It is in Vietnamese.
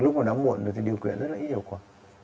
lúc nó đau muộn thì điều kiện rất là ít hiệu quả